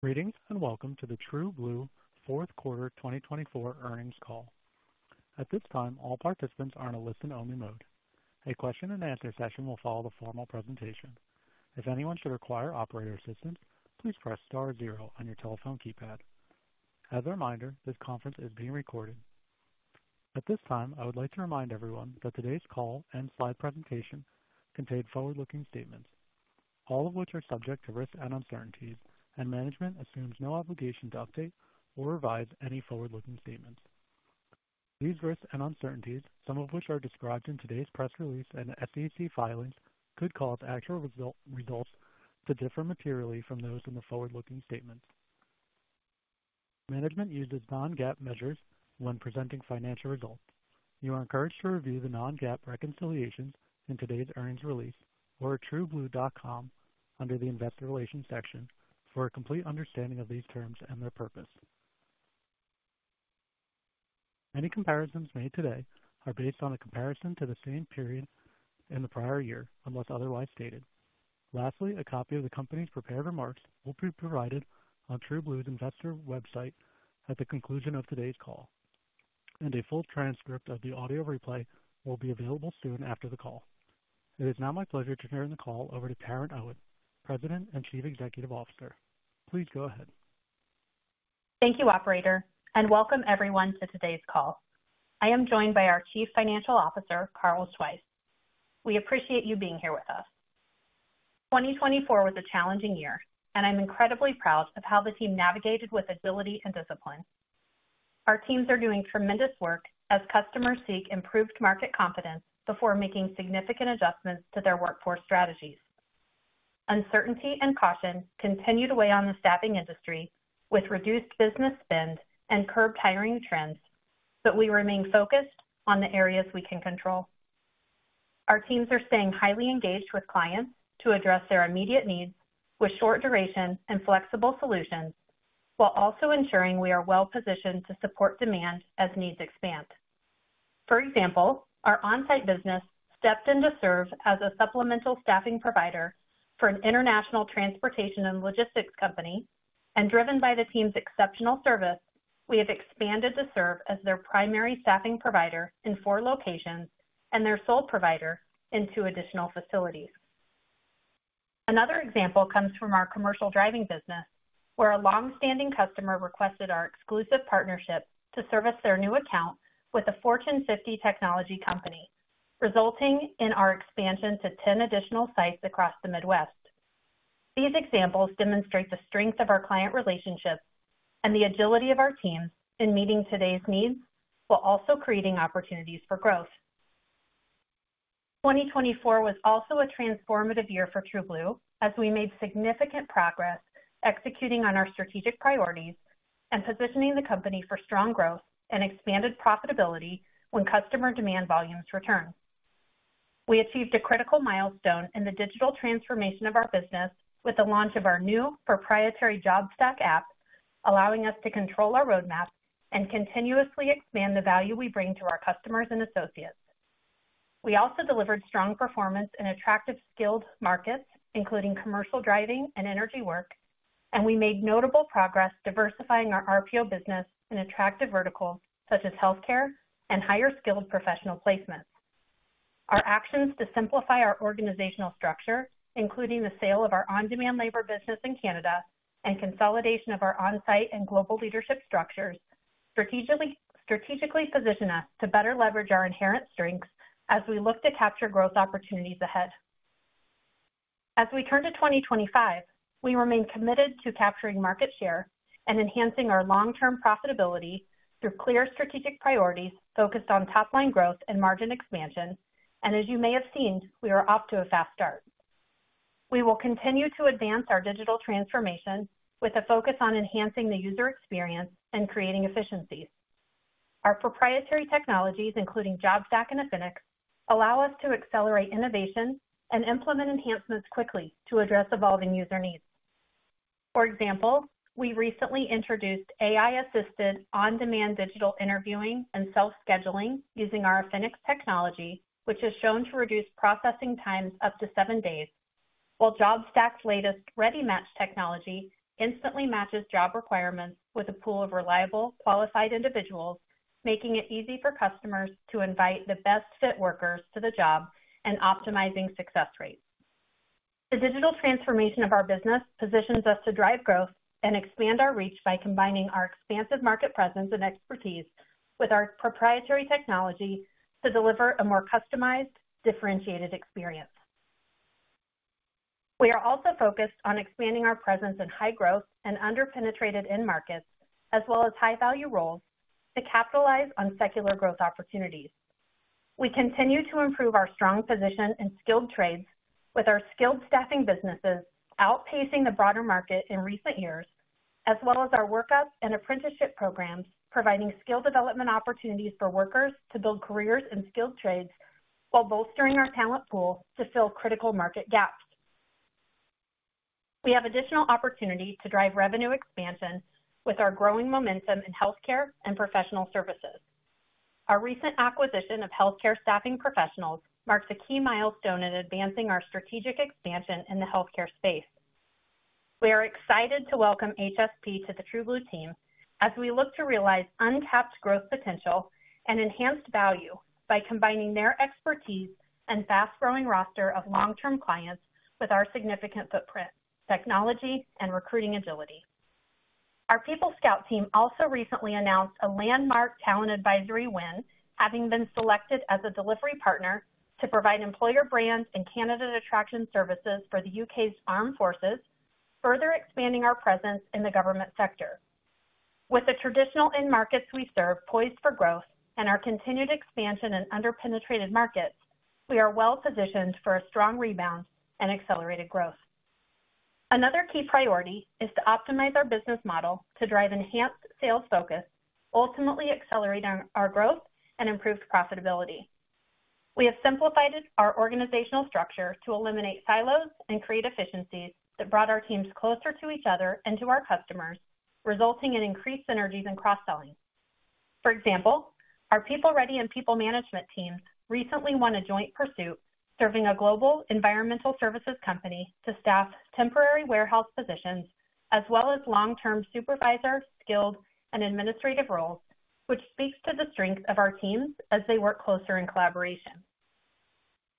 Greetings and welcome to the TrueBlue Fourth Quarter 2024 Earnings Call. At this time, all participants are in a listen-only mode. A question-and-answer session will follow the formal presentation. If anyone should require operator assistance, please press star zero on your telephone keypad. As a reminder, this conference is being recorded. At this time, I would like to remind everyone that today's call and slide presentation contain forward-looking statements, all of which are subject to risks and uncertainties, and management assumes no obligation to update or revise any forward-looking statements. These risks and uncertainties, some of which are described in today's press release and SEC filings, could cause actual results to differ materially from those in the forward-looking statements. Management uses non-GAAP measures when presenting financial results. You are encouraged to review the non-GAAP reconciliations in today's earnings release or at trueblue.com under the investor relations section for a complete understanding of these terms and their purpose. Any comparisons made today are based on a comparison to the same period in the prior year, unless otherwise stated. Lastly, a copy of the company's prepared remarks will be provided on TrueBlue's investor website at the conclusion of today's call, and a full transcript of the audio replay will be available soon after the call. It is now my pleasure to turn the call over to Taryn Owen, President and Chief Executive Officer. Please go ahead. Thank you, Operator, and welcome everyone to today's call. I am joined by our Chief Financial Officer, Carl Schweihs. We appreciate you being here with us. 2024 was a challenging year, and I'm incredibly proud of how the team navigated with agility and discipline. Our teams are doing tremendous work as customers seek improved market confidence before making significant adjustments to their workforce strategies. Uncertainty and caution continue to weigh on the staffing industry with reduced business spend and curbed hiring trends, but we remain focused on the areas we can control. Our teams are staying highly engaged with clients to address their immediate needs with short-duration and flexible solutions, while also ensuring we are well-positioned to support demand as needs expand. For example, our on-site business stepped in to serve as a supplemental staffing provider for an international transportation and logistics company, and driven by the team's exceptional service, we have expanded to serve as their primary staffing provider in four locations and their sole provider in two additional facilities. Another example comes from our commercial driving business, where a longstanding customer requested our exclusive partnership to service their new account with a Fortune 50 technology company, resulting in our expansion to 10 additional sites across the Midwest. These examples demonstrate the strength of our client relationship and the agility of our teams in meeting today's needs while also creating opportunities for growth. 2024 was also a transformative year for TrueBlue as we made significant progress executing on our strategic priorities and positioning the company for strong growth and expanded profitability when customer demand volumes returned. We achieved a critical milestone in the digital transformation of our business with the launch of our new proprietary JobStack app, allowing us to control our roadmap and continuously expand the value we bring to our customers and associates. We also delivered strong performance in attractive skilled markets, including commercial driving and energy work, and we made notable progress diversifying our RPO business in attractive verticals such as healthcare and higher skilled professional placements. Our actions to simplify our organizational structure, including the sale of our on-demand labor business in Canada and consolidation of our on-site and global leadership structures, strategically position us to better leverage our inherent strengths as we look to capture growth opportunities ahead. As we turn to 2025, we remain committed to capturing market share and enhancing our long-term profitability through clear strategic priorities focused on top-line growth and margin expansion, and as you may have seen, we are off to a fast start. We will continue to advance our digital transformation with a focus on enhancing the user experience and creating efficiencies. Our proprietary technologies, including JobStack and Affinix, allow us to accelerate innovation and implement enhancements quickly to address evolving user needs. For example, we recently introduced AI-assisted on-demand digital interviewing and self-scheduling using our Affinix technology, which has shown to reduce processing times up to seven days, while JobStack's latest ReadyMatch technology instantly matches job requirements with a pool of reliable, qualified individuals, making it easy for customers to invite the best-fit workers to the job and optimizing success rates. The digital transformation of our business positions us to drive growth and expand our reach by combining our expansive market presence and expertise with our proprietary technology to deliver a more customized, differentiated experience. We are also focused on expanding our presence in high-growth and under-penetrated end markets, as well as high-value roles, to capitalize on secular growth opportunities. We continue to improve our strong position in skilled trades with our skilled staffing businesses outpacing the broader market in recent years, as well as our WorkUp and apprenticeship programs providing skill development opportunities for workers to build careers in skilled trades while bolstering our talent pool to fill critical market gaps. We have additional opportunity to drive revenue expansion with our growing momentum in healthcare and professional services. Our recent acquisition of Healthcare Staffing Professionals marks a key milestone in advancing our strategic expansion in the healthcare space. We are excited to welcome HSP to the TrueBlue team as we look to realize untapped growth potential and enhanced value by combining their expertise and fast-growing roster of long-term clients with our significant footprint, technology, and recruiting agility. Our PeopleScout team also recently announced a landmark talent advisory win, having been selected as a delivery partner to provide employer brands and candidate attraction services for the U.K. Armed Forces, further expanding our presence in the government sector. With the traditional end markets we serve poised for growth and our continued expansion in under-penetrated markets, we are well-positioned for a strong rebound and accelerated growth. Another key priority is to optimize our business model to drive enhanced sales focus, ultimately accelerating our growth and improved profitability. We have simplified our organizational structure to eliminate silos and create efficiencies that brought our teams closer to each other and to our customers, resulting in increased synergies and cross-selling. For example, our PeopleReady and PeopleManagement teams recently won a joint pursuit serving a global environmental services company to staff temporary warehouse positions as well as long-term supervisor, skilled, and administrative roles, which speaks to the strength of our teams as they work closer in collaboration.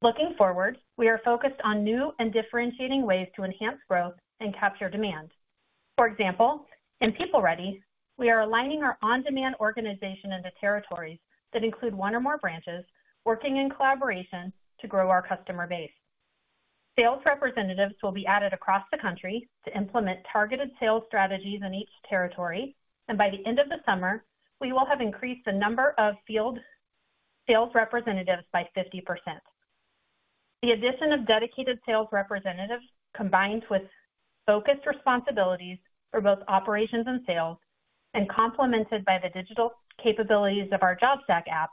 Looking forward, we are focused on new and differentiating ways to enhance growth and capture demand. For example, in PeopleReady, we are aligning our on-demand organization into territories that include one or more branches, working in collaboration to grow our customer base. Sales representatives will be added across the country to implement targeted sales strategies in each territory, and by the end of the summer, we will have increased the number of field sales representatives by 50%. The addition of dedicated sales representatives, combined with focused responsibilities for both operations and sales, and complemented by the digital capabilities of our JobStack app,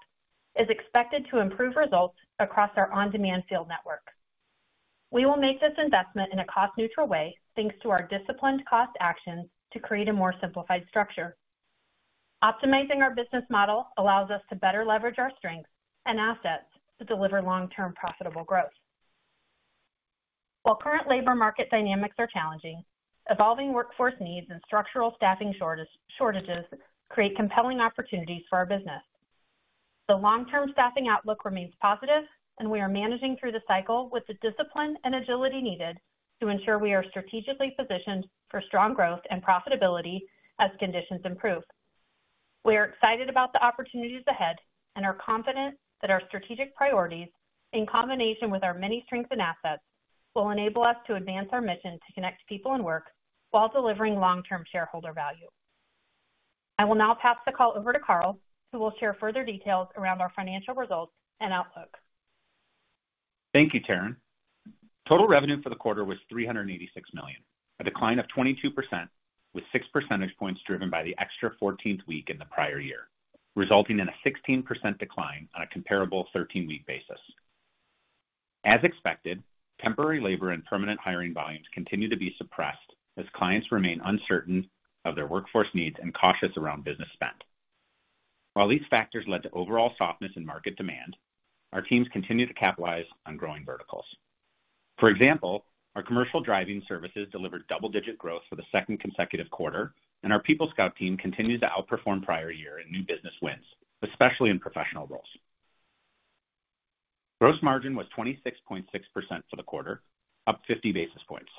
is expected to improve results across our on-demand field network. We will make this investment in a cost-neutral way thanks to our disciplined cost actions to create a more simplified structure. Optimizing our business model allows us to better leverage our strengths and assets to deliver long-term profitable growth. While current labor market dynamics are challenging, evolving workforce needs and structural staffing shortages create compelling opportunities for our business. The long-term staffing outlook remains positive, and we are managing through the cycle with the discipline and agility needed to ensure we are strategically positioned for strong growth and profitability as conditions improve. We are excited about the opportunities ahead and are confident that our strategic priorities, in combination with our many strengths and assets, will enable us to advance our mission to connect people and work while delivering long-term shareholder value. I will now pass the call over to Carl, who will share further details around our financial results and outlook. Thank you, Taryn. Total revenue for the quarter was $386 million, a decline of 22%, with six percentage points driven by the extra 14th week in the prior year, resulting in a 16% decline on a comparable 13-week basis. As expected, temporary labor and permanent hiring volumes continue to be suppressed as clients remain uncertain of their workforce needs and cautious around business spend. While these factors led to overall softness in market demand, our teams continue to capitalize on growing verticals. For example, our commercial driving services delivered double-digit growth for the second consecutive quarter, and our PeopleScout team continues to outperform prior year in new business wins, especially in professional roles. Gross margin was 26.6% for the quarter, up 50 basis points.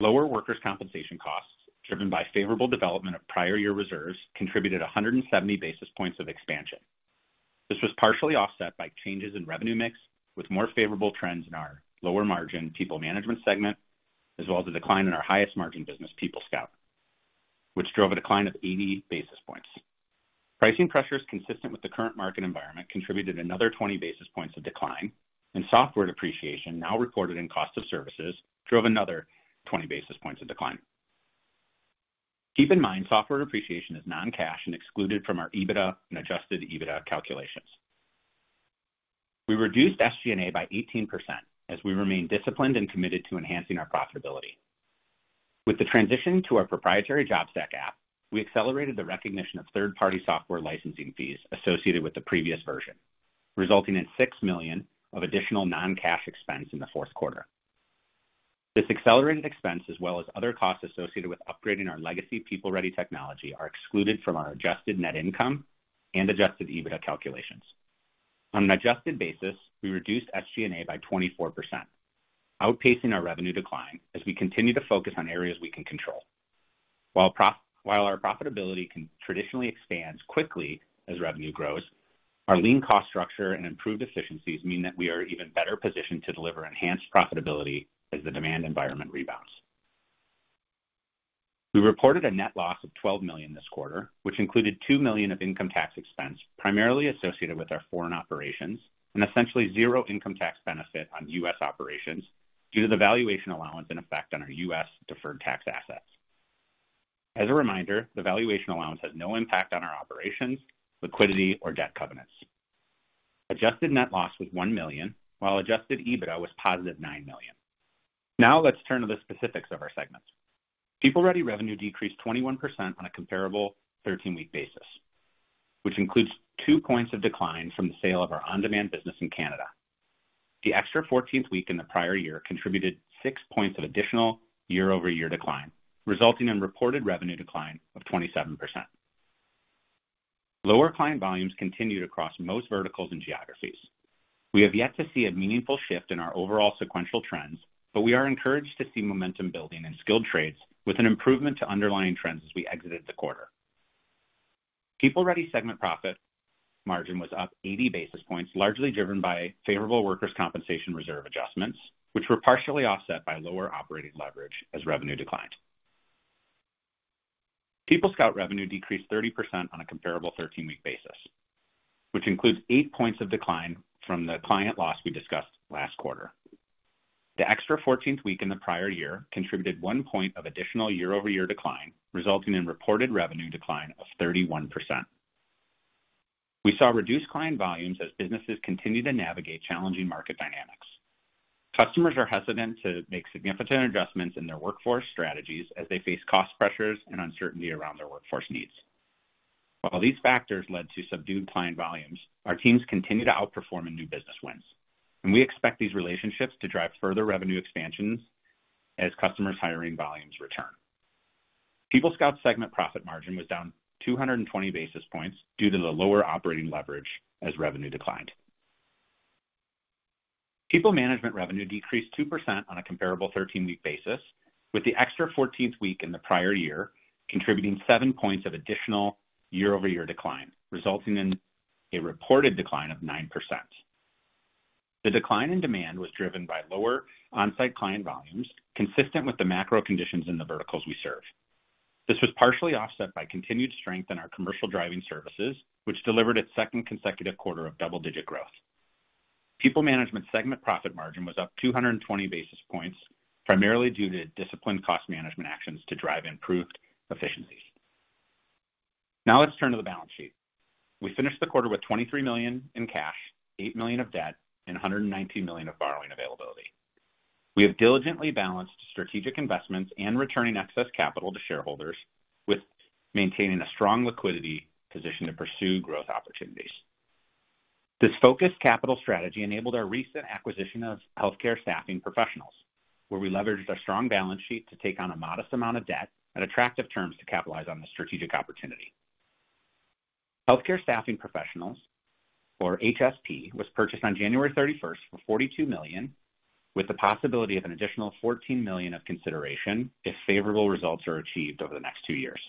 Lower workers' compensation costs, driven by favorable development of prior year reserves, contributed 170 basis points of expansion. This was partially offset by changes in revenue mix, with more favorable trends in our PeopleManagement segment, as well as a decline in our highest-margin business, PeopleScout, which drove a decline of 80 basis points. Pricing pressures consistent with the current market environment contributed another 20 basis points of decline, and software depreciation, now reported in cost of services, drove another 20 basis points of decline. Keep in mind, software depreciation is non-cash and excluded from our EBITDA and adjusted EBITDA calculations. We reduced SG&A by 18% as we remain disciplined and committed to enhancing our profitability. With the transition to our proprietary JobStack app, we accelerated the recognition of third-party software licensing fees associated with the previous version, resulting in $6 million of additional non-cash expense in the fourth quarter. This accelerated expense, as well as other costs associated with upgrading our legacy PeopleReady technology, are excluded from our adjusted net income and adjusted EBITDA calculations. On an adjusted basis, we reduced SG&A by 24%, outpacing our revenue decline as we continue to focus on areas we can control. While our profitability can traditionally expand quickly as revenue grows, our lean cost structure and improved efficiencies mean that we are even better positioned to deliver enhanced profitability as the demand environment rebounds. We reported a net loss of $12 million this quarter, which included $2 million of income tax expense primarily associated with our foreign operations and essentially zero income tax benefit on U.S. operations due to the valuation allowance in effect on our U.S. deferred tax assets. As a reminder, the valuation allowance has no impact on our operations, liquidity, or debt covenants. Adjusted net loss was $1 million, while Adjusted EBITDA was positive $9 million. Now let's turn to the specifics of our segments. PeopleReady revenue decreased 21% on a comparable 13-week basis, which includes two points of decline from the sale of our on-demand business in Canada. The extra 14th week in the prior year contributed six points of additional year-over-year decline, resulting in reported revenue decline of 27%. Lower client volumes continued across most verticals and geographies. We have yet to see a meaningful shift in our overall sequential trends, but we are encouraged to see momentum building in skilled trades with an improvement to underlying trends as we exited the quarter. PeopleReady segment profit margin was up 80 basis points, largely driven by favorable workers' compensation reserve adjustments, which were partially offset by lower operating leverage as revenue declined. PeopleScout revenue decreased 30% on a comparable 13-week basis, which includes eight points of decline from the client loss we discussed last quarter. The extra 14th week in the prior year contributed one point of additional year-over-year decline, resulting in reported revenue decline of 31%. We saw reduced client volumes as businesses continued to navigate challenging market dynamics. Customers are hesitant to make significant adjustments in their workforce strategies as they face cost pressures and uncertainty around their workforce needs. While these factors led to subdued client volumes, our teams continue to outperform in new business wins, and we expect these relationships to drive further revenue expansions as customers' hiring volumes return. PeopleScout segment profit margin was down 220 basis points due to the lower operating leverage as revenue declined. PeopleManagement revenue decreased 2% on a comparable 13-week basis, with the extra 14th week in the prior year contributing seven points of additional year-over-year decline, resulting in a reported decline of 9%. The decline in demand was driven by lower on-site client volumes, consistent with the macro conditions in the verticals we serve. This was partially offset by continued strength in our commercial driving services, which delivered its second consecutive quarter of double-digit growth. PeopleManagement segment profit margin was up 220 basis points, primarily due to disciplined cost management actions to drive improved efficiencies. Now let's turn to the balance sheet. We finished the quarter with $23 million in cash, $8 million of debt, and $119 million of borrowing availability. We have diligently balanced strategic investments and returning excess capital to shareholders while maintaining a strong liquidity position to pursue growth opportunities. This focused capital strategy enabled our recent acquisition of Healthcare Staffing Professionals, where we leveraged our strong balance sheet to take on a modest amount of debt at attractive terms to capitalize on this strategic opportunity. Healthcare Staffing Professionals, or HSP, was purchased on January 31 for $42 million, with the possibility of an additional $14 million of consideration if favorable results are achieved over the next two years.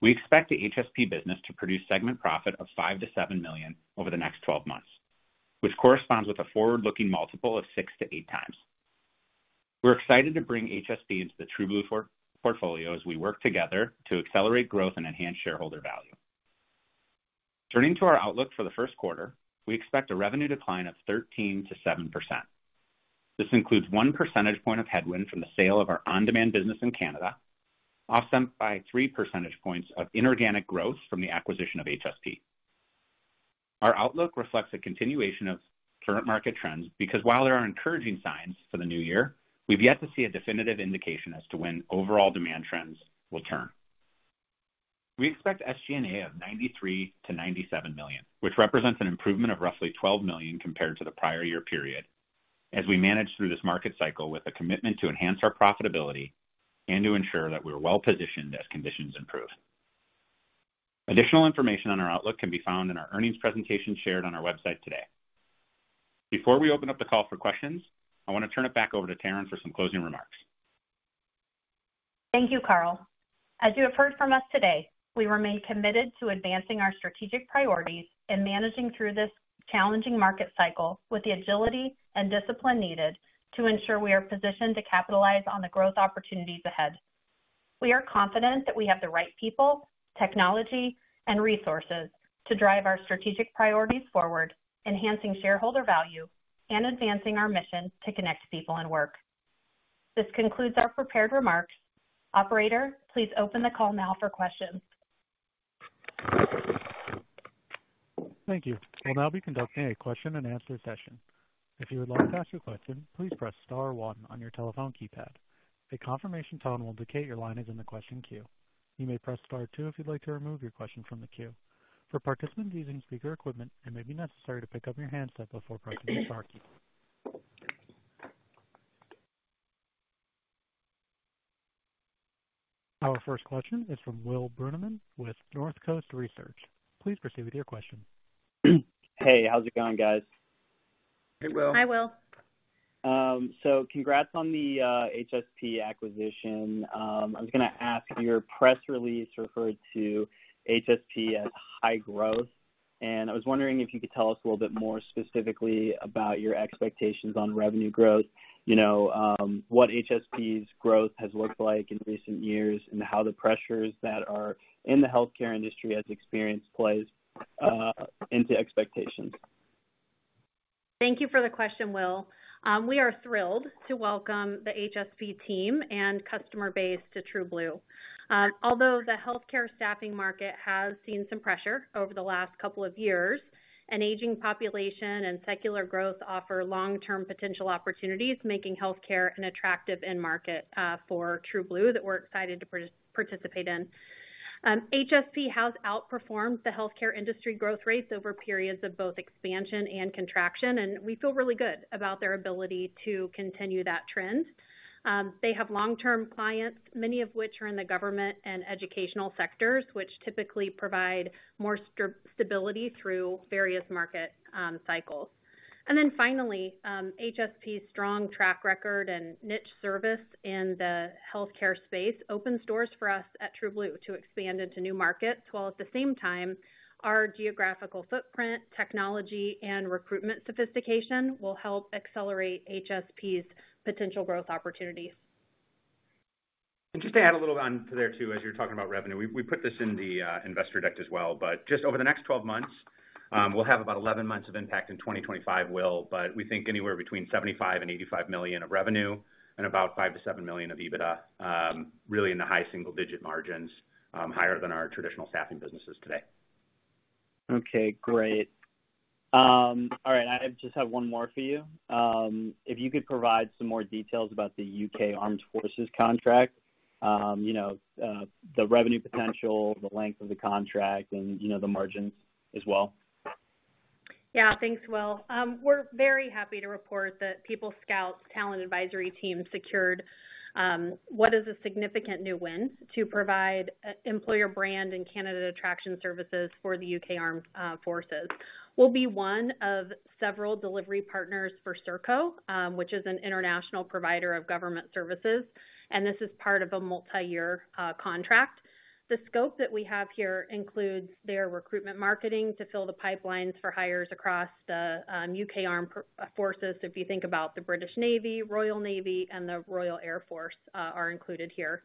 We expect the HSP business to produce segment profit of $5-$7 million over the next 12 months, which corresponds with a forward-looking multiple of six to eight times. We're excited to bring HSP into the TrueBlue portfolio as we work together to accelerate growth and enhance shareholder value. Turning to our outlook for the first quarter, we expect a revenue decline of 13%-7%. This includes one percentage point of headwind from the sale of our on-demand business in Canada, offset by three percentage points of inorganic growth from the acquisition of HSP. Our outlook reflects a continuation of current market trends because, while there are encouraging signs for the new year, we've yet to see a definitive indication as to when overall demand trends will turn. We expect SG&A of $93-$97 million, which represents an improvement of roughly $12 million compared to the prior year period, as we manage through this market cycle with a commitment to enhance our profitability and to ensure that we are well-positioned as conditions improve. Additional information on our outlook can be found in our earnings presentation shared on our website today. Before we open up the call for questions, I want to turn it back over to Taryn for some closing remarks. Thank you, Carl. As you have heard from us today, we remain committed to advancing our strategic priorities and managing through this challenging market cycle with the agility and discipline needed to ensure we are positioned to capitalize on the growth opportunities ahead. We are confident that we have the right people, technology, and resources to drive our strategic priorities forward, enhancing shareholder value and advancing our mission to connect people and work. This concludes our prepared remarks. Operator, please open the call now for questions. Thank you. We'll now be conducting a question-and-answer session. If you would like to ask a question, please press Star 1 on your telephone keypad. A confirmation tone will indicate your line is in the question queue. You may press Star 2 if you'd like to remove your question from the queue. For participants using speaker equipment, it may be necessary to pick up your handset before pressing the Star key. Our first question is from Will Brunemann with Northcoast Research. Please proceed with your question. Hey, how's it going, guys? Hey, Will. Hi, Will. Congrats on the HSP acquisition. I was going to ask, your press release referred to HSP as high growth, and I was wondering if you could tell us a little bit more specifically about your expectations on revenue growth, what HSP's growth has looked like in recent years, and how the pressures that are in the healthcare industry, as experienced, play into expectations. Thank you for the question, Will. We are thrilled to welcome the HSP team and customer base to TrueBlue. Although the healthcare staffing market has seen some pressure over the last couple of years, an aging population and secular growth offer long-term potential opportunities, making healthcare an attractive end market for TrueBlue that we're excited to participate in. HSP has outperformed the healthcare industry growth rates over periods of both expansion and contraction, and we feel really good about their ability to continue that trend. They have long-term clients, many of which are in the government and educational sectors, which typically provide more stability through various market cycles. HSP's strong track record and niche service in the healthcare space opened doors for us at TrueBlue to expand into new markets, while at the same time, our geographical footprint, technology, and recruitment sophistication will help accelerate HSP's potential growth opportunities. Just to add a little on to there too, as you're talking about revenue, we put this in the investor deck as well, but just over the next 12 months, we'll have about 11 months of impact in 2025, Will, but we think anywhere between $75 million-$85 million of revenue and about $5 million-$7 million of EBITDA, really in the high single-digit margins, higher than our traditional staffing businesses today. Okay, great. All right, I just have one more for you. If you could provide some more details about the U.K. Armed Forces contract, the revenue potential, the length of the contract, and the margins as well. Yeah, thanks, Will. We're very happy to report that PeopleScout's talent advisory team secured what is a significant new win to provide employer brand and candidate attraction services for the U.K. Armed Forces. We'll be one of several delivery partners for Serco, which is an international provider of government services, and this is part of a multi-year contract. The scope that we have here includes their recruitment marketing to fill the pipelines for hires across the U.K. Armed Forces. If you think about the British Navy, Royal Navy, and the Royal Air Force are included here.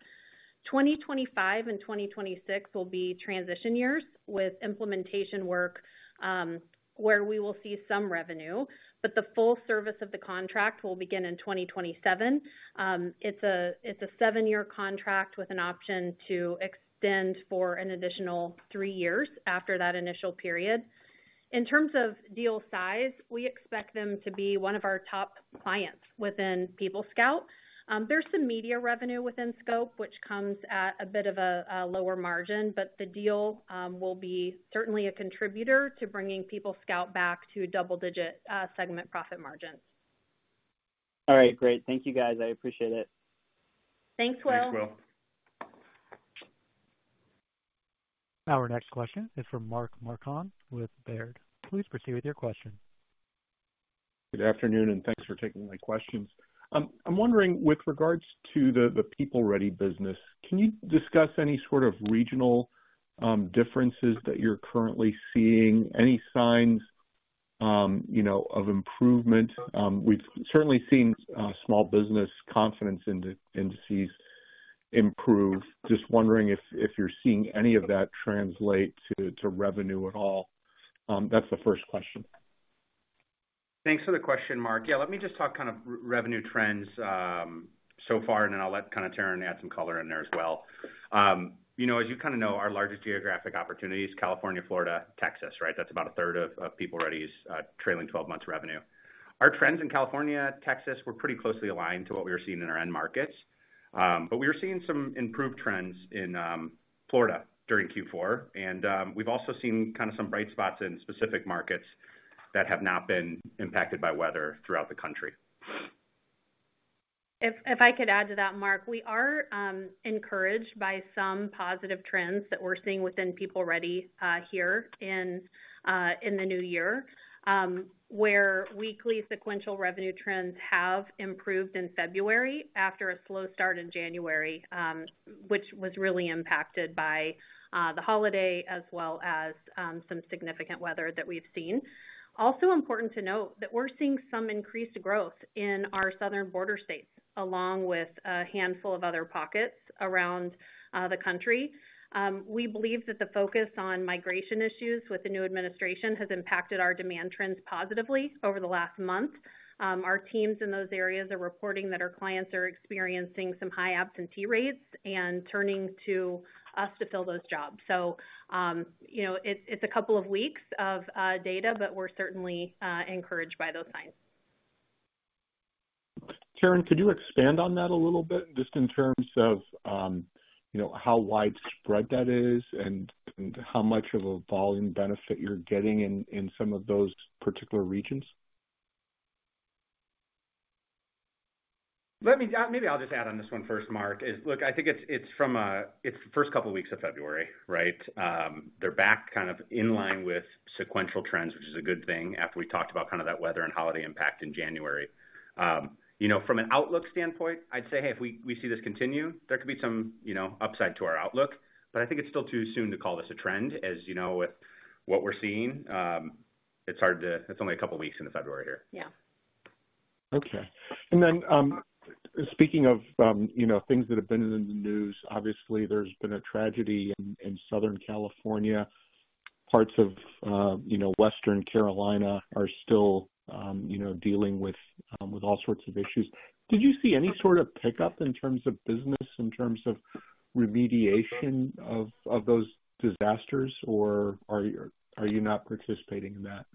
2025 and 2026 will be transition years with implementation work where we will see some revenue, but the full service of the contract will begin in 2027. It's a seven-year contract with an option to extend for an additional three years after that initial period. In terms of deal size, we expect them to be one of our top clients within PeopleScout. There's some media revenue within scope, which comes at a bit of a lower margin, but the deal will be certainly a contributor to bringing PeopleScout back to double-digit segment profit margins. All right, great. Thank you, guys. I appreciate it. Thanks, Will. Thanks, Will. Our next question is from Mark Marcon with Baird. Please proceed with your question. Good afternoon, and thanks for taking my questions. I'm wondering, with regards to the PeopleReady business, can you discuss any sort of regional differences that you're currently seeing, any signs of improvement? We've certainly seen small business confidence indices improve. Just wondering if you're seeing any of that translate to revenue at all. That's the first question. Thanks for the question, Mark. Yeah, let me just talk kind of revenue trends so far, and then I'll let kind of Taryn add some color in there as well. As you kind of know, our largest geographic opportunity is California, Florida, Texas, right? That's about a third of PeopleReady's trailing 12-month revenue. Our trends in California, Texas were pretty closely aligned to what we were seeing in our end markets, but we were seeing some improved trends in Florida during Q4, and we've also seen kind of some bright spots in specific markets that have not been impacted by weather throughout the country. If I could add to that, Mark, we are encouraged by some positive trends that we're seeing within PeopleReady here in the new year, where weekly sequential revenue trends have improved in February after a slow start in January, which was really impacted by the holiday, as well as some significant weather that we've seen. Also important to note that we're seeing some increased growth in our southern border states, along with a handful of other pockets around the country. We believe that the focus on migration issues with the new administration has impacted our demand trends positively over the last month. Our teams in those areas are reporting that our clients are experiencing some high absentee rates and turning to us to fill those jobs. It is a couple of weeks of data, but we're certainly encouraged by those signs. Taryn, could you expand on that a little bit, just in terms of how widespread that is and how much of a volume benefit you're getting in some of those particular regions? Maybe I'll just add on this one first, Mark. Look, I think it's from the first couple of weeks of February, right? They're back kind of in line with sequential trends, which is a good thing, after we talked about kind of that weather and holiday impact in January. From an outlook standpoint, I'd say, hey, if we see this continue, there could be some upside to our outlook, but I think it's still too soon to call this a trend, as you know, with what we're seeing. It's only a couple of weeks into February here. Yeah. Okay. Speaking of things that have been in the news, obviously, there's been a tragedy in Southern California. Parts of Western Carolina are still dealing with all sorts of issues. Did you see any sort of pickup in terms of business, in terms of remediation of those disasters, or are you not participating in that?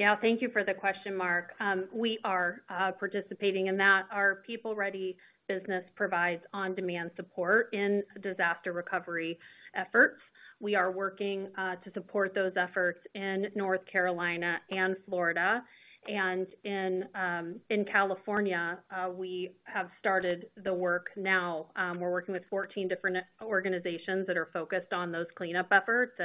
Yeah, thank you for the question, Mark. We are participating in that. Our PeopleReady business provides on-demand support in disaster recovery efforts. We are working to support those efforts in North Carolina and Florida. In California, we have started the work now. We are working with 14 different organizations that are focused on those cleanup efforts.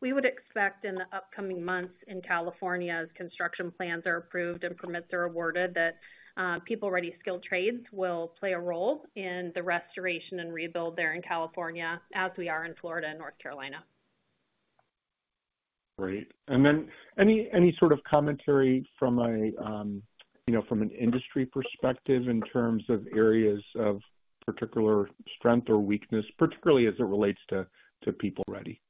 We would expect in the upcoming months in California, as construction plans are approved and permits are awarded, that PeopleReady skilled trades will play a role in the restoration and rebuild there in California as we are in Florida and North Carolina. Great. Any sort of commentary from an industry perspective in terms of areas of particular strength or weakness, particularly as it relates to PeopleReady?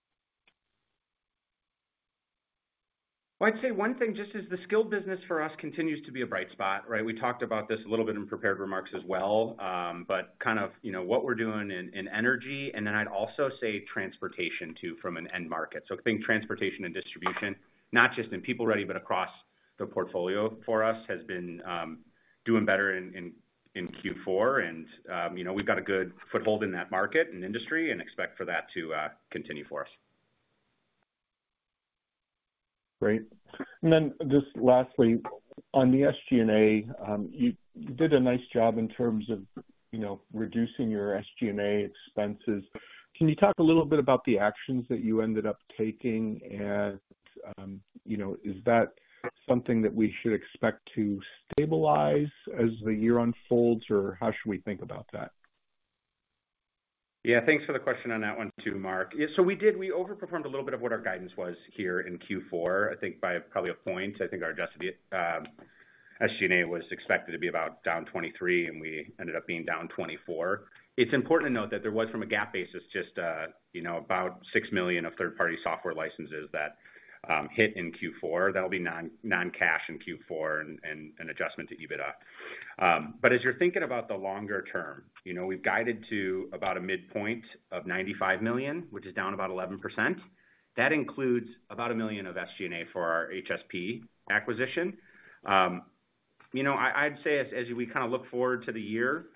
I’d say one thing, just as the skilled business for us continues to be a bright spot, right? We talked about this a little bit in prepared remarks as well, but kind of what we’re doing in energy. I’d also say transportation too from an end market. I think transportation and distribution, not just in PeopleReady, but across the portfolio for us, has been doing better in Q4. We’ve got a good foothold in that market and industry and expect for that to continue for us. Great. Lastly, on the SG&A, you did a nice job in terms of reducing your SG&A expenses. Can you talk a little bit about the actions that you ended up taking, and is that something that we should expect to stabilize as the year unfolds, or how should we think about that? Yeah, thanks for the question on that one too, Mark. We did. We overperformed a little bit of what our guidance was here in Q4, I think by probably a point. I think our adjusted SG&A was expected to be about down 23%, and we ended up being down 24%. It's important to note that there was, from a GAAP basis, just about $6 million of third-party software licenses that hit in Q4. That will be non-cash in Q4 and an adjustment to EBITDA. As you're thinking about the longer term, we've guided to about a midpoint of $95 million, which is down about 11%. That includes about $1 million of SG&A for our HSP acquisition. I'd say as we kind of look forward to the year,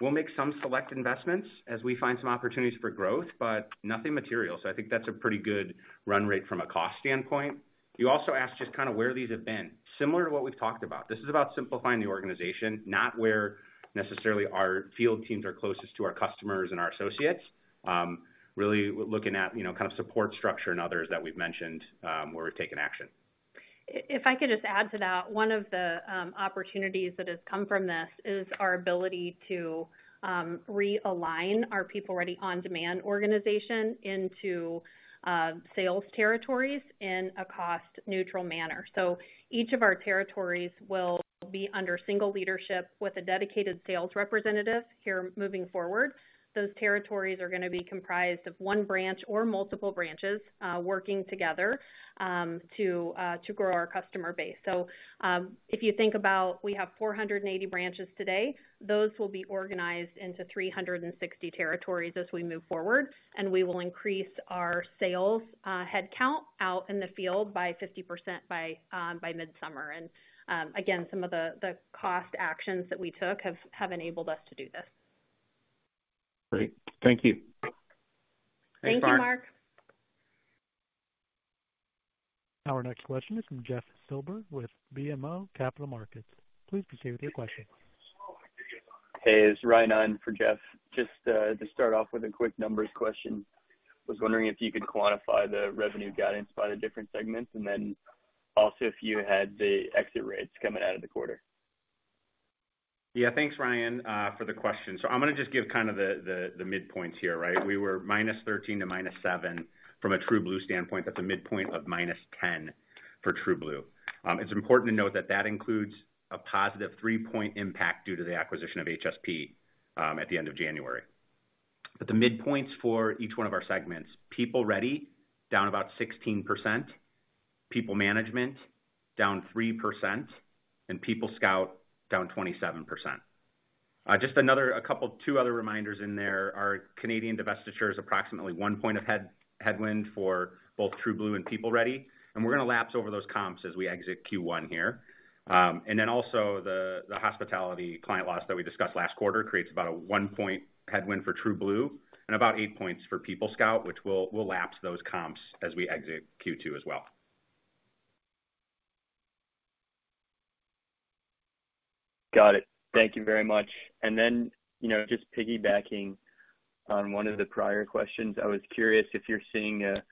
we'll make some select investments as we find some opportunities for growth, but nothing material. I think that's a pretty good run rate from a cost standpoint. You also asked just kind of where these have been. Similar to what we've talked about, this is about simplifying the organization, not where necessarily our field teams are closest to our customers and our associates. Really looking at kind of support structure and others that we've mentioned where we've taken action. If I could just add to that, one of the opportunities that has come from this is our ability to realign our PeopleReady on-demand organization into sales territories in a cost-neutral manner. Each of our territories will be under single leadership with a dedicated sales representative here moving forward. Those territories are going to be comprised of one branch or multiple branches working together to grow our customer base. If you think about it, we have 480 branches today. Those will be organized into 360 territories as we move forward, and we will increase our sales headcount out in the field by 50% by mid-summer. Again, some of the cost actions that we took have enabled us to do this. Great. Thank you. Thank you, Mark. Our next question is from Jeff Silber with BMO Capital Markets. Please proceed with your question. Hey, it's Ryan Oyen for Jeff. Just to start off with a quick numbers question. I was wondering if you could quantify the revenue guidance by the different segments and then also if you had the exit rates coming out of the quarter. Yeah, thanks, Ryan, for the question. I'm going to just give kind of the midpoint here, right? We were minus 13% to minus 7%. From a TrueBlue standpoint, that's a midpoint of minus 10% for TrueBlue. It's important to note that that includes a positive three-point impact due to the acquisition of HSP at the end of January. The midpoints for each one of our segments, PeopleReady down about 16%, PeopleManagement down 3%, and PeopleScout down 27%. Just a couple of two other reminders in there. Our Canadian divestiture is approximately one point of headwind for both TrueBlue and PeopleReady. We're going to lapse over those comps as we exit Q1 here. The hospitality client loss that we discussed last quarter creates about a one-point headwind for TrueBlue and about eight points for PeopleScout, which we will lapse those comps as we exit Q2 as well. Got it. Thank you very much. Just piggybacking on one of the prior questions, I was curious if you're seeing a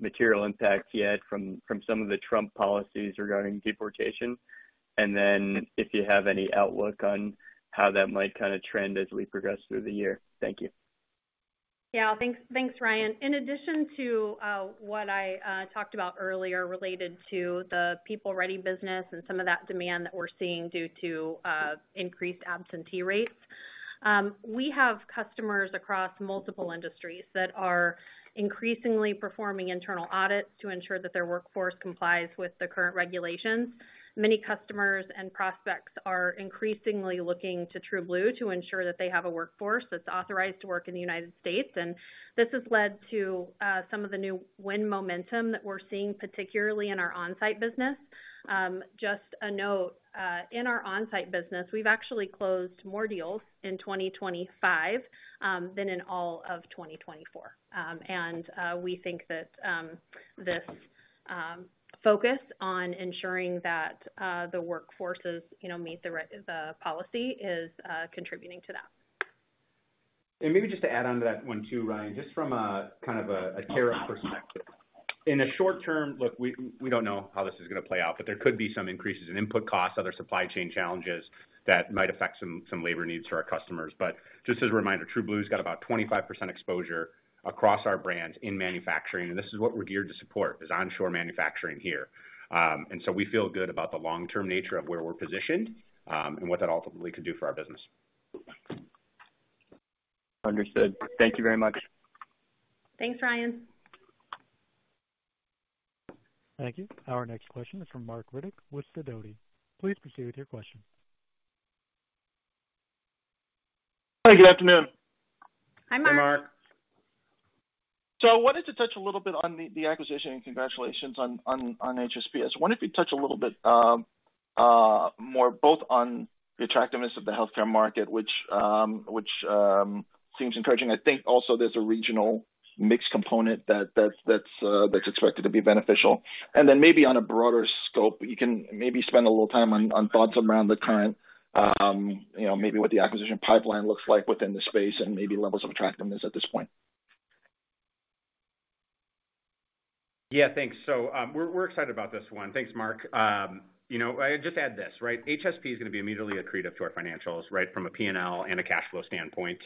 material impact yet from some of the Trump policies regarding deportation, and if you have any outlook on how that might kind of trend as we progress through the year. Thank you. Yeah, thanks, Ryan. In addition to what I talked about earlier related to the PeopleReady business and some of that demand that we're seeing due to increased absentee rates, we have customers across multiple industries that are increasingly performing internal audits to ensure that their workforce complies with the current regulations. Many customers and prospects are increasingly looking to TrueBlue to ensure that they have a workforce that's authorized to work in the United States. This has led to some of the new wind momentum that we're seeing, particularly in our on-site business. Just a note, in our on-site business, we've actually closed more deals in 2025 than in all of 2024. We think that this focus on ensuring that the workforces meet the policy is contributing to that. Maybe just to add on to that one too, Ryan, just from kind of a tariff perspective. In the short term, look, we do not know how this is going to play out, but there could be some increases in input costs, other supply chain challenges that might affect some labor needs for our customers. Just as a reminder, TrueBlue's got about 25% exposure across our brand in manufacturing. This is what we are geared to support, onshore manufacturing here. We feel good about the long-term nature of where we are positioned and what that ultimately could do for our business. Understood. Thank you very much. Thanks, Ryan. Thank you. Our next question is from Marc Riddick with Sidoti & Company. Please proceed with your question. Hi, good afternoon. Hi, Marc. Hey, Marc. I wanted to touch a little bit on the acquisition and congratulations on HSP. I wonder if you'd touch a little bit more both on the attractiveness of the healthcare market, which seems encouraging. I think also there's a regional mix component that's expected to be beneficial. Maybe on a broader scope, you can maybe spend a little time on thoughts around the current, maybe what the acquisition pipeline looks like within the space and maybe levels of attractiveness at this point. Yeah, thanks. We're excited about this one. Thanks, Marc. I'd just add this, right? HSP is going to be immediately accretive to our financials, right, from a P&L and a cash flow standpoint.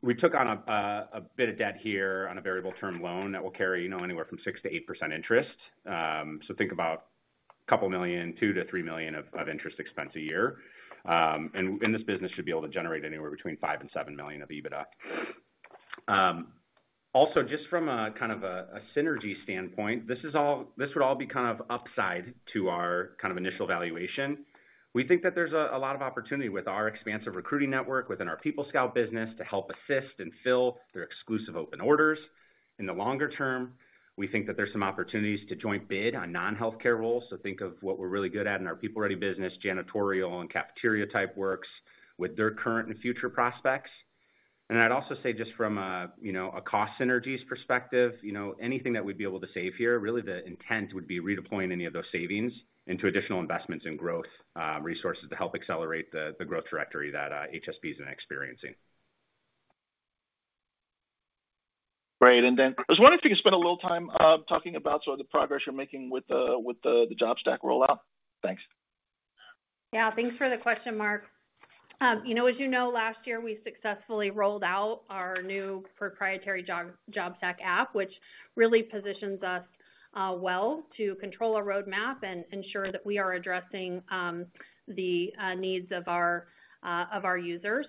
We took on a bit of debt here on a variable term loan that will carry anywhere from 6% to 8% interest. Think about a couple million, $2-3 million of interest expense a year. In this business, you should be able to generate anywhere between $5-7 million of EBITDA. Also, just from a kind of a synergy standpoint, this would all be kind of upside to our kind of initial valuation. We think that there's a lot of opportunity with our expansive recruiting network within our PeopleScout business to help assist and fill their exclusive open orders. In the longer term, we think that there's some opportunities to joint bid on non-healthcare roles. Think of what we're really good at in our PeopleReady business, janitorial and cafeteria type works with their current and future prospects. I'd also say just from a cost synergies perspective, anything that we'd be able to save here, really the intent would be redeploying any of those savings into additional investments and growth resources to help accelerate the growth trajectory that HSP is experiencing. Great. I just wanted to spend a little time talking about sort of the progress you're making with the JobStack rollout. Thanks. Yeah, thanks for the question, Marc. As you know, last year, we successfully rolled out our new proprietary JobStack app, which really positions us well to control our roadmap and ensure that we are addressing the needs of our users.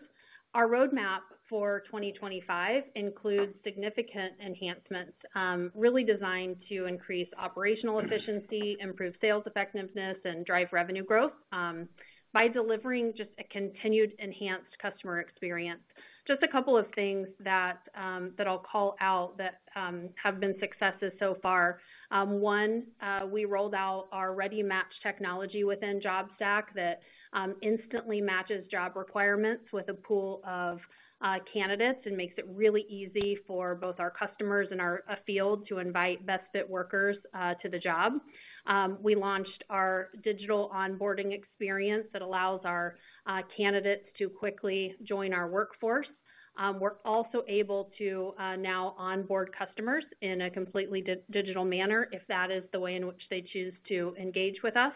Our roadmap for 2025 includes significant enhancements really designed to increase operational efficiency, improve sales effectiveness, and drive revenue growth by delivering just a continued enhanced customer experience. Just a couple of things that I'll call out that have been successes so far. One, we rolled out our ReadyMatch technology within JobStack that instantly matches job requirements with a pool of candidates and makes it really easy for both our customers and our field to invite best-fit workers to the job. We launched our digital onboarding experience that allows our candidates to quickly join our workforce. We're also able to now onboard customers in a completely digital manner if that is the way in which they choose to engage with us.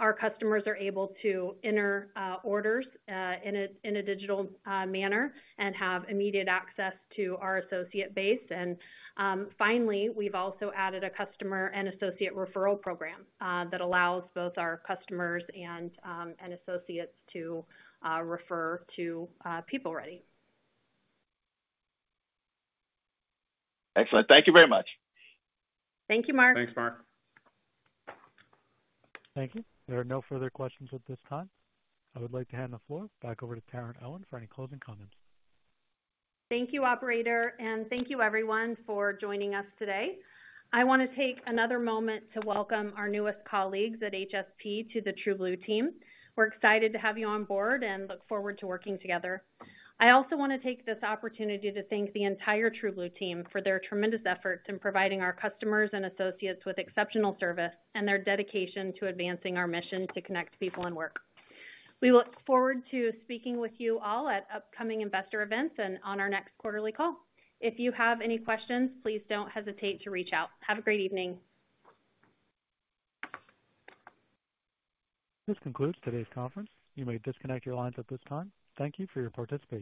Our customers are able to enter orders in a digital manner and have immediate access to our associate base. Finally, we've also added a customer and associate referral program that allows both our customers and associates to refer to PeopleReady. Excellent. Thank you very much. Thank you, Marc. Thanks, Marc. Thank you. There are no further questions at this time. I would like to hand the floor back over to Taryn Owen for any closing comments. Thank you, Operator, and thank you, everyone, for joining us today. I want to take another moment to welcome our newest colleagues at HSP to the TrueBlue team. We're excited to have you on board and look forward to working together. I also want to take this opportunity to thank the entire TrueBlue team for their tremendous efforts in providing our customers and associates with exceptional service and their dedication to advancing our mission to connect people and work. We look forward to speaking with you all at upcoming investor events and on our next quarterly call. If you have any questions, please don't hesitate to reach out. Have a great evening. This concludes today's conference. You may disconnect your lines at this time. Thank you for your participation.